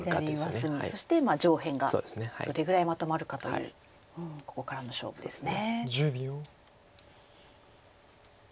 そして上辺がどれぐらいまとまるかというここからの勝負ですね。